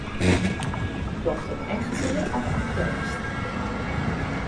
Docht it echt sear of aktearrest?